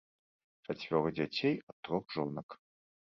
Чацвёра дзяцей ад трох жонак.